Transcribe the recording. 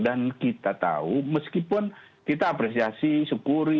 dan kita tahu meskipun kita apresiasi syukuri